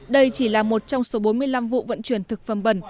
đây chỉ là một trong số bốn mươi năm vụ vận chuyển thực phẩm bẩn